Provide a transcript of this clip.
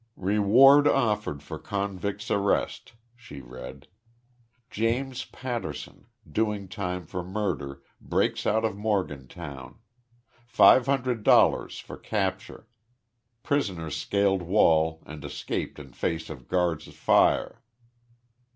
"Reward offered for convict's arrest," she read. "James Patterson, doing time for murder, breaks out of Morgantown. Five hundred dollars for capture. Prisoner scaled wall and escaped in face of guards' fire."